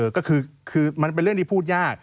ก็คือมันเป็นเรื่องที่พูดยาก